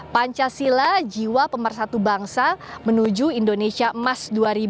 pancasila jiwa pemersatu bangsa menuju indonesia emas dua ribu dua puluh